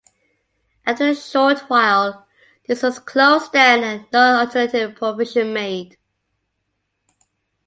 After a short while, this was closed down and no alternative provision made.